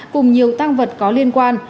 cùng nhiều tang vật có liên quan